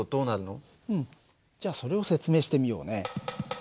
じゃあそれを説明してみようね。